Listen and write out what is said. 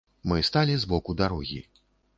Мы сталі з боку дарогі.